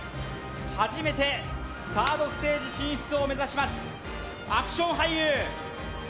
初めてサードステージ進出を目指しますよっしゃ！